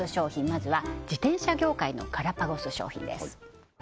まずは自転車業界のガラパゴス商品です